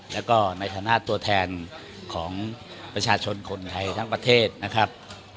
แล้วก็ในฐานะตัวแทนของประชาชนคนไทยทั้งประเทศนะครับ